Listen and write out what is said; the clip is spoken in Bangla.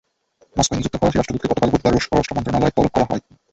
মস্কোয় নিযুক্ত ফরাসি রাষ্ট্রদূতকে গতকাল বুধবার রুশ পররাষ্ট্র মন্ত্রণালয়ে তলব করা হয়।